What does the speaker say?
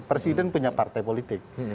presiden punya partai politik